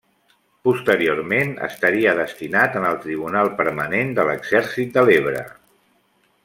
Posteriorment estaria destinat en el tribunal permanent de l'Exèrcit de l'Ebre.